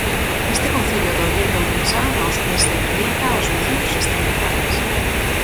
Neste concello do oriente ourensán, aos pés de Trevinca, os veciños están de parabéns.